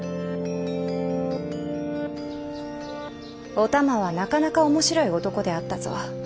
お玉はなかなか面白い男であったぞ。